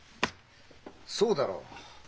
そうだろう？